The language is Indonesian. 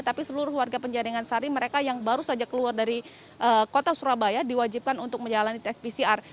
tapi seluruh warga penjaringan sari mereka yang baru saja keluar dari kota surabaya diwajibkan untuk menjalani tes pcr